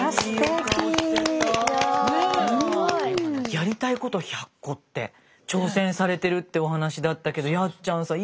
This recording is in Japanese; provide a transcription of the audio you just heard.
やりたいこと１００個って挑戦されてるってお話だったけどやっちゃんさん